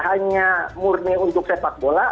hanya murni untuk sepak bola